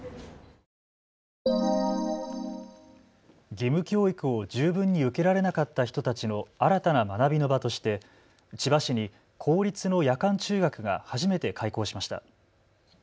義務教育を十分に受けられなかった人たちの新たな学びの場として千葉市に公立の夜間中学が初めて開校しました。